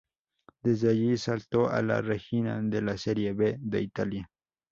Desde allí saltó a la Reggina de la serie B de Italia.